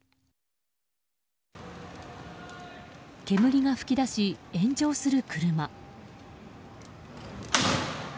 煙が噴き出し炎上する車。